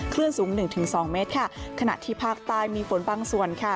คลื่นสูง๑๒เมตรค่ะขณะที่ภาคใต้มีฝนบางส่วนค่ะ